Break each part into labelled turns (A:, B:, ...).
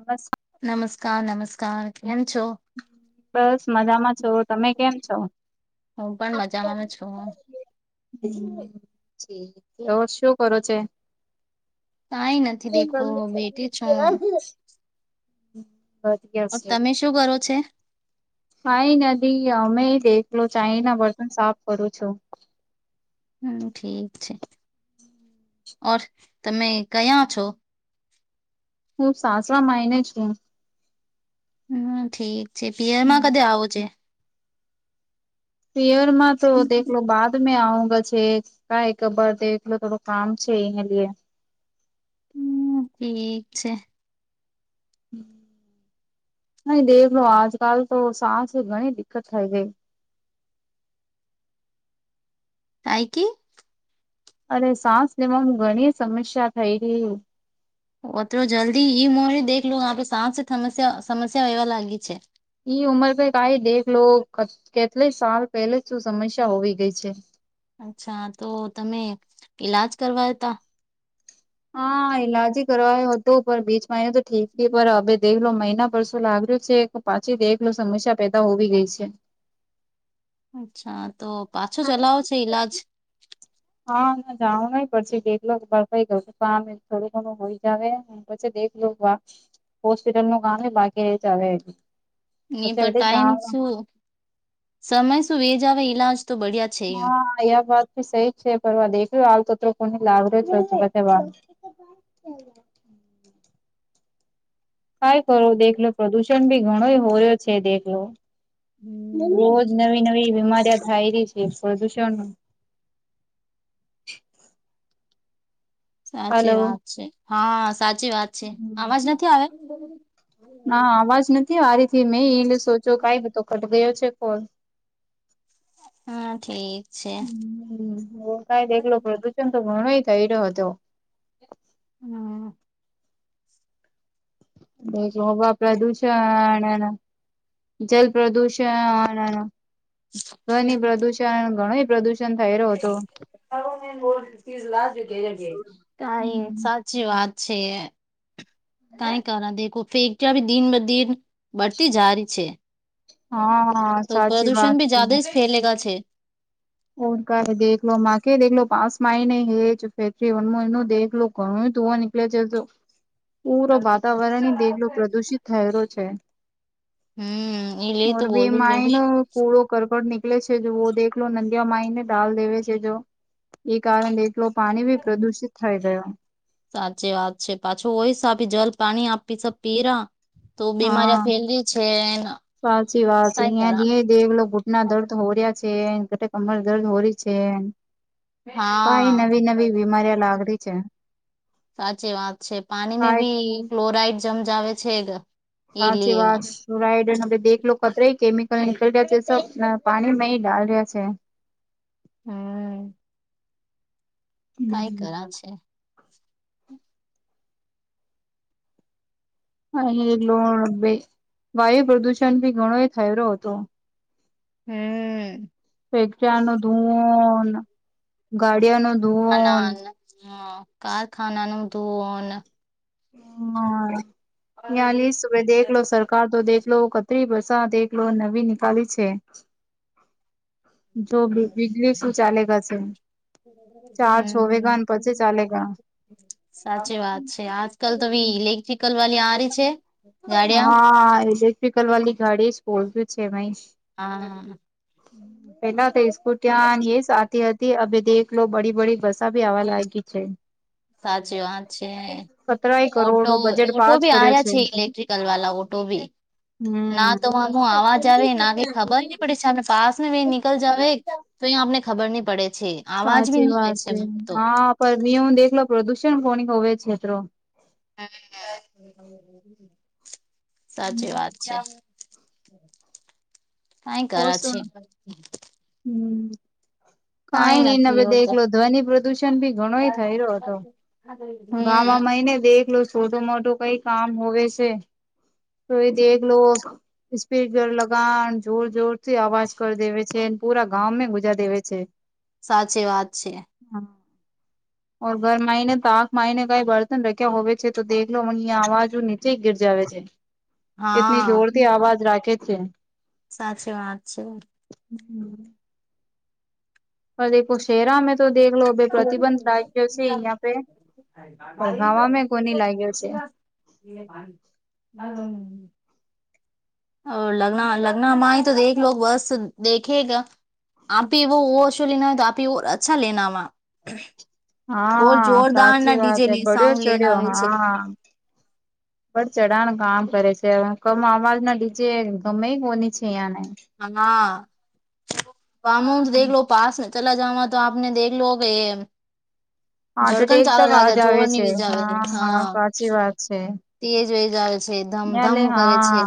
A: નમસ્
B: નમસ્કાર નમસ્કાર કેમ છો.
A: બસ મજામાં છો તમે કેમ છો.
B: હું પણ મજામાં છું હ.
A: તો શું કરો છે.
B: કઈ નથી દેખો
A: એમમ
B: બેટી છું.
A: કેવા.
B: તમે શું કરો છે
A: કઈ નથી અમે દેખલો ચાાય ના બર્તન સાફ કરું છું.
B: હમ્મ ઠીક છે ઓર તમે કયા છો.
A: હું સાસરા માયને છું
B: હમ્મ ઠીક છે પીયર માં કદીે આવોજે
A: પીયરમાં તો દેખલો બાદ મે આઉંગા છેક કઈ કબર દલો થોડું કામ છે એને લઈએ
B: હમ્મ ઠીક છે
A: હમ્મ થઈ દેખલો આજકાલ તો સાસ ઘણી દિકકત થઈ ગઈ
B: કાંઈ કે
A: અરે સાસ લેવાનું ઘણી સમસ્યા થઈ ર
B: ઓ તો જલ્દી ઈ મો દેખ લ આપે સાસ સમ્યા સમસ્યા એવા લાગી છે
A: ઈ ઉંમર પે કઈ દેખ લો કેટલી સાલ પહેલે શું સમસ્યા હોવી ગઈ છે
B: અચ્છા તો તમે ઈલાજ કરવા ત
A: હા ઈલાજ કરવાયો હતોું પણ બીચમાં એ તો ઠીક હવે દેખલો મહિના પર શું લાગ્યો છે પાછી દેખલો સમસ્યા પેદા હોવી ગઈ છે
B: અચ્છા તો પાછો ચલાવો છે ઈલાજ
A: હાને જાણવું ન પડશે બેક બરફઈ ગયો થોડું ઘણું હોય જાવ પછી દેખ હોસ્પિટલ ન કામ બાકી રહી જાવે
B: ની
A: પછી
B: પર
A: બેટે
B: ટાઈમ
A: જાણ
B: શું સમય શું વેજ આવે ઈલાજ તો બઢિયા છે યું.
A: હા એ વાતી સહી જ છે પર દેખ્યું આવ તો કોની લાગ રહ્યો છે વા કઈ કરો દેખલો પ્રદુષણ ભી ઘણો હોર્યો છે દેખલો
B: હમ્મ.
A: રોજ નવી નવી બીમારી થાય રહી છે પ્રદુષણ
B: સાચી
A: હલો
B: વાત છે હા સાચી વાત છે આવાજ નથી આવે
A: ના અવાજ નથી આરીથી મેં એલે સોચો કઈ બધો ઘટ ગયો છે કોલ
B: હા ઠીક છે.
A: કઈ એકલો પડ ત તો ઘણો થઈ રહ્યો હતો
B: હમ્મ
A: બે હવા પ્રદૂષણના જલ પ્રદૂષણ
B: [inaudible]
A: ધ્વાની પ્રદુષણ ઘણો પ્રદુષણ થઈ રહ્યો હતો
B: [unintelligible] અચી વાત છે કઈ કરો દેખો ફે આવી દિન બ દિન બળતી જારી છે
A: હા હા સાચી વાત છે
B: ફેલે ગયા છે
A: ઓ ક દેખલો માકે દેખલો પાઉસ માય નને હેજ ફેકરી વનું એનું દેખલો ઘણો ધૂ ઓ પલે જો
B: [inaudible]
A: પૂરો વાતાવરણ દેગલો પ્રદુષિત થયેલો છે
B: હમ્મ એ લે
A: ઓર
B: તો
A: ભી
B: બોલું મેં ભી
A: માયનો કૂડો કરકટ નિકલે છે દેખલો લો નંદ માઈને ડાલ દેવે છે જો એ કારણે એટલો પાણી ભી પ્રદુષિત થઈ ગયો
B: સાચી વાત છે પાછું હોયશ આપી જલ પાણી આપી સ પીરા તો
A: હા
B: બીમારી ફેલ છે કઈ કર
A: દ લોકો ગૂટના દર્દ હોર્યા છે ઘટક અમર દર્દ હોરી છે. કઈ
B: હા
A: નવી નવી બીમારી લાગડી છે.
B: સાચી વાત છે પાણી મે
A: કઈ
B: ભી ક્લોરાઈડ જમ જાવ છે. એ
A: આચી
B: લીએ
A: વાસ ફ્લોરાઈડ દેખ લો કત કેમિકલ નીકળ રહ્યા છે સબ પાણી માં ડાલ રહ્યા છે.
B: હમ કઈ કરાવ છે
A: અને લો વાયુ પ્રદુષણ ભી ઘણો એ થય રહ હતો.
B: હમ
A: પિકક્ષા નું ધુવન ગાડિયા નું
B: અના
A: ધુવન
B: ન હા કારખાનાનુંું ધોન
A: હ હ લ સુબ દેખલો લો સર તો દેખલો કતરી વરષા દેલો નવી નિકલી છે. જો વીજળી શું ચાલે ગશે ચાર
B: હમ
A: છોવેગા અને પછી
B: હમ
A: ચાલે ગ
B: સાચી વાત છે આજ કલ તો બી ઇલેક્ટ્રિકલ વાલી આરી છે. ગાડિયા
A: હા ઇલેક્ટિકલ વાલી ઘાડી જ બહું છેઈ
B: હા હા
A: હમ પેલા તો સ્સ્કુટિયાની એ જતી હતી અ દેખ લો બડી બડી બસા ભી આવા લાગી છે.
B: સાચી વાત છે
A: સતરાય
B: ઓટો
A: કરોડો બજેટ
B: ઓટો
A: પાસ
B: ભી
A: કર્યો
B: આવ્યા છે ઇલેક્ટ્રિક લ વાા ઓટો ભી ના
A: હમ.
B: તો આમ આવાજ આવે ના કઈ ખબર નહી પડે છે આપને પાસ નીકળ જાવ. તો અહીિયાં આપને ખબર નહ પડે છે.
A: સાચી વાત છે
B: મને તો
A: હા પણ નિયમ દેખલો પ્રદુષણ કોની હોવે છેત
B: સાચી વાત છે. કઈ
A: ઓ
B: કરે છે.
A: સુણ હમ કઈ નઈને
B: નથી એવું તો
A: દેખલો ધ્વનિ પ્રદુષણ ભી ઘણોય થય રહ્યો હતો.
B: હમ
A: ગામાંય ને દેખ લો છોટો મોટું કઈ કામ હોવે છે. રઈ દલો સ્પીકર લગણ જોર જોરથી અવાજ કર દેવે છે પુરા ગાંં ગુજા દેવે છે.
B: સાચી વાત છે.
A: હા
B: [inaudible]
A: ઓર ઘર માઈને તો આંખ માને કઈ બર્તન રખ્યા હોય છે તો દેખલો મનેં આવાજ નીચે ગિર જાવ છે
B: હા
A: એટની જોર થી અવાજ રાખે છે.
B: સાચી વાત છે.
A: અખ શેરામે તો દેખલો લો ભ પ્રતિબંધ લાગ્યો છે અહિયાં પે પણ ગામે કોની લાગ્યો છે.
B: એ વા હ લગ્ના લગ્ન હમાંાઈ તો દેખ લો બસ દેખેગા આપે વ ઓ શો લેના હોય તો આપે અચ્છા લેના હો
A: હા સાચી વાત હ બડ્યો
B: સાઉન્ડ લેને
A: ચઢ્યો
B: આવે છે
A: હા ર ચઢણ કામ કરે છે કમ અવાજ ના ડીજે ગમે કોની છે અહં ને
B: હા કામ દેખલો પાસ ચલા જ તો આપને દેખ લો કે
A: હાર્ટ
B: જળકન
A: એટેક તક
B: ચારા લાગે
A: આજ આવે
B: જોવારની
A: છે
B: બીજ આવે હા
A: સાચી વાત છે
B: તેજ હોય જ આવે છે ધમ ધમ કરે છે.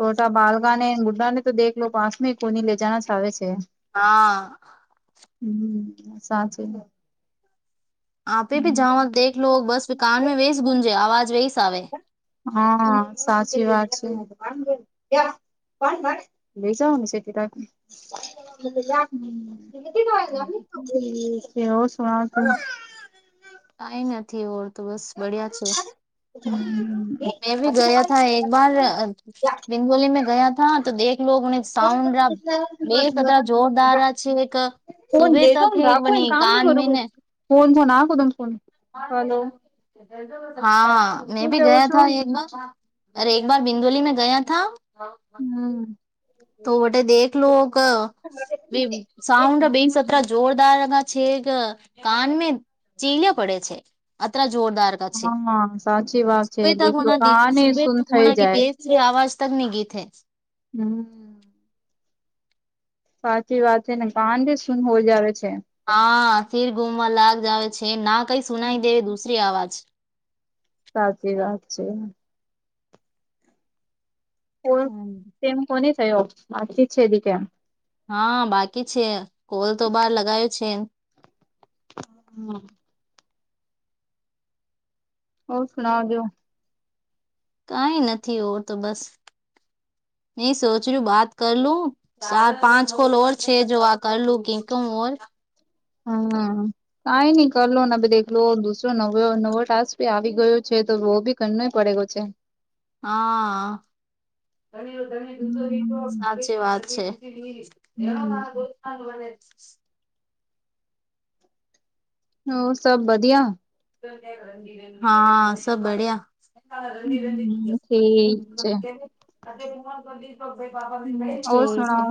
A: તોટા બાલગા ને ગુડા ને તો દેખ લો પાંસમાં કોની લેજના જ આવે છે.
B: હા.
A: હમ્મ સાચે.
B: આપે ભી જાવા દેખલો લો બસ કાન મે વે ગુંજે આવાજ વેસ આવે.
A: હા, સાચી વાત છે. લઈ જ આવનું છે હમ્મ. હમ્મ કેવું સૂનાઓ તમે.
B: કાઈ નથી ઓળ તો બસ બડિયા છે. મેં ભી ગયા થા એકબાર બિંદોલી મેં ગયા થા તો દેખ ઈ લોગ ને સાઉન્ બે પતરા જોરદાર છે એક
A: ફોન
B: સુબે
A: દેતો
B: તક હે
A: રાખું
B: બને
A: એ કામ ન
B: કાન મે
A: કરું ફોન ફન આખ તમે ફોન. હલો
B: હા, મેં
A: શું
B: ભી
A: કેવો
B: ગયા
A: છો
B: થા એક બાર. અરે એક બાર બિંદોલી મેં ગયા થા.
A: હમ્મ.
B: તો વટે દેખલો ક બી સાઉન્ડ બેન સત્ર જોરદાર રગા છે કે કાન મે ચીલે પડે છે અત્ર જોરદાર. તા છે.
A: હા સાચી વાત છે
B: એ
A: દેખલો
B: હોના દી
A: કાને
B: સુબે
A: સુન થઈ
B: હોના કી
A: જાય
B: બેસ જે આવાજ તક ની ગીથે.
A: હમ્મ. સાચી વાત છે ને કાન જે શુંન હો જાવે છે.
B: હા, ફિર ગુમવા લાગ જ આવે છે ના કઈ સુનાઈ દે દુસરી અવાજ.
A: સાચી વાત છે. કો તેમ કોની થયો આ છેદી કે.
B: હા, બાકી છે કોલ તો બહાર લગાયો છે.
A: હા, હા. ઔર સુણાવ દેઓ.
B: કઈ નથી ઓર તો બસ. મેં સોચ રૂ બાત કરલું ચાર પાંચ કોલ ઓર છે જો આ કરલું કેકું ઓર
A: હમ્મ. કઈ નઈ કરલો ને દેખલો દુસરો નવ નવો ટાસ્ક ભી આવી ગયો છે તો વો બી કરને પડે ગો છે.
B: હા,
A: હમ
B: સાચી વાત છે.
A: હમ
B: [unintelligible]
A: ઔર સબ બદિયા?
B: હા, સબ બડ્યા. હમ્મ.
A: હમ
B: હમ્મ
A: ઠીક છે
B: ઠીક હૈ.
A: ઓર સુણાવ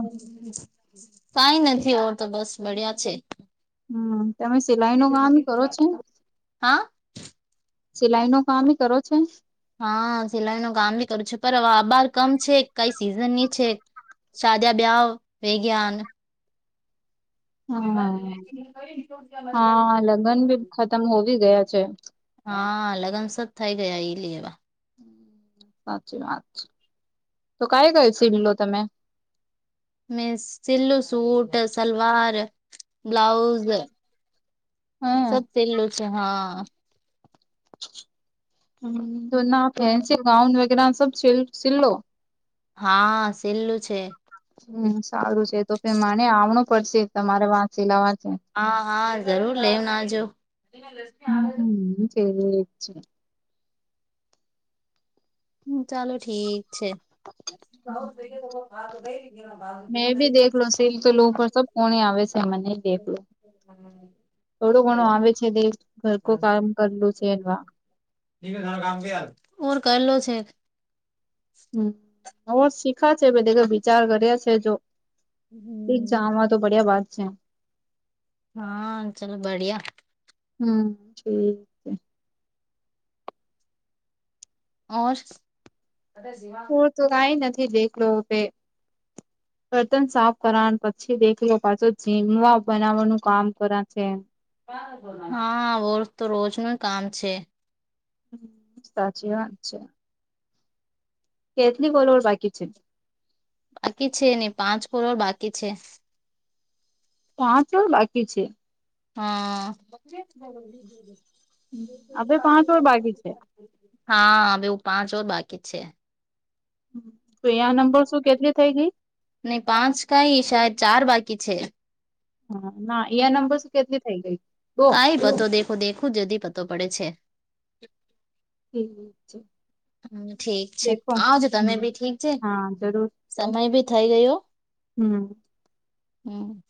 B: કઈ નથી ઓર તો બસ બળિયા છે.
A: હમ્મ, તમે સિલાઈ નો કામ કરો છે?
B: હા?
A: સિલાઈ નો કામ મી કરો છે?
B: હા સિલાઈ નો કામ બી કરું છું પર આ બાર કમ છે કઈ સિઝન ની છે. સાદિયા બ્યાઓ વૈ ગા અને.
A: હા
B: [unintelligible]
A: તમ હોવી ગયો છે.
B: હા લગ્નસ જ થઈ ગયા ઈ લ એવા.
A: સાચી વાત છે. તો કઈ કઈ સીલ લો તમે?
B: મેં સિલ્લું સૂટ, સલવાર, બ્લાઉઝ
A: હે.
B: સબ સીલ લું છે હા.
A: હ તો ના ફેન્સી ગાઉન વગેરા સબ સ સિલ્લો
B: હા સિલ્લ્લું છે
A: હમ સારું છે તોે મને આવણું પડશે તમારે વાંચ લવા છે
B: હા હા જરૂર લેવ નાજો
A: હમ સ છે
B: હમ ચાલો ઠીક છે
A: મેં ભી દેખલો સિલ્કલ ઉપર સબ કોને આવે છે મને દેખલો થોડો ઘણું આવે છે દ ઘર કો કામ કરલું છે એવા
B: કરલો છે
A: હમ હ જ શીખા છે બે દ વિચાર કર્યા છે જો
B: હમ
A: જ તો બડિયા વાત છે
B: હા ચલોો બઢિયા
A: હમ જ
B: [inaudible] [inaudible]
A: પર તો કઈ નથી દેખલો ભે
B: [inaudible]
A: બર્તન સાફ કર પછી દેખ લો પાછો જીમવા બનાવવાનું કામ કર છે
B: હા વો તો રોજ ન કામ છે
A: હમ સાચી વાત છે કેતલી કોોલોર બાકી છે
B: બાકી છે નહી પાંચ કરોડ બાકી છે
A: પાંચ બાકી છે
B: હા
A: હ અે પાંચ વર બાકી છે
B: હા બવું પાંચો જ બાકી છે
A: તો અં નંબર શું કેટલી થઈ ગઈ
B: નહી પાંચ કઈ શહેદ ચાર બાકી છે
A: હા ના યા નંબર શું કેટલી થઈ ગઈ દો
B: કઈ પતો દેખો દેખું જદી પતો પડે છે
A: ઠીક છે
B: હમ ઠીક છે
A: દેખો
B: આવજો તમે
A: હમ
B: બી ઠીક છે
A: હા જરૂર
B: સમય ભી થઈ ગયો
A: હમ
B: હમ